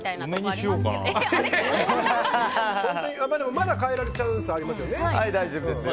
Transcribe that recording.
まだ変えるチャンスありますよね。